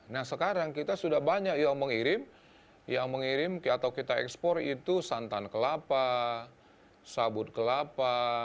nah sekarang kita sudah banyak yang mengirim yang mengirim atau kita ekspor itu santan kelapa sabut kelapa